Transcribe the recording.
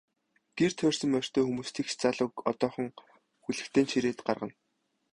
Гэр тойрсон морьтой хүмүүс багш залууг одоохон хүлэгтэй нь чирээд гаргана.